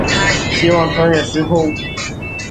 希望穿越时空